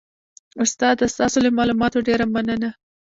استاده ستاسو له معلوماتو ډیره مننه